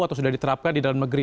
atau sudah diterapkan di dalam negeri